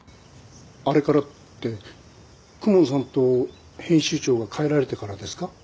あれからって公文さんと編集長が帰られてからですか？